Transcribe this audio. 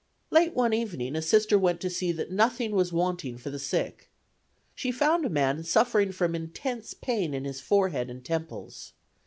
Late one evening a Sister went to see that nothing was wanting for the sick. She found a man suffering from intense pain in his forehead and temples.